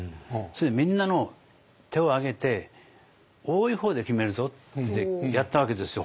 それでみんなの手を挙げて多い方で決めるぞってやったわけですよ